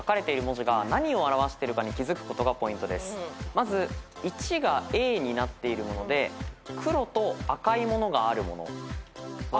まず１がＡになっているもので黒と赤いものがあるもの。